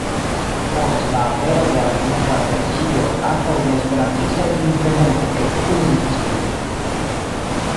Post la apero de alilingvaj versioj ankaŭ neesperantistaj lingvemuloj ekuzis ĝin.